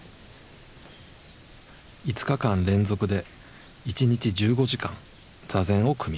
５日間連続で一日１５時間坐禅を組みます。